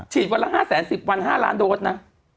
ฉีดวันละ๕แสน๑๐วัน๕ล้านโดดนะ